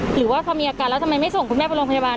หรือว่าพอมีอาการแล้วทำไมไม่ส่งคุณแม่ไปโรงพยาบาล